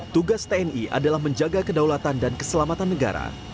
tugas tni adalah menjaga kedaulatan dan keselamatan negara